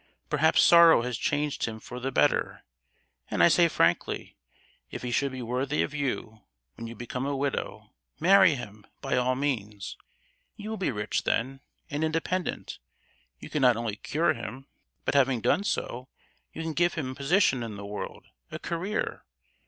Perhaps sorrow has changed him for the better; and I say frankly, if he should be worthy of you when you become a widow, marry him, by all means! You will be rich then, and independent. You can not only cure him, but, having done so, you can give him position in the world—a career!